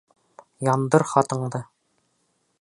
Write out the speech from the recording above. — Яндыр хатыңды.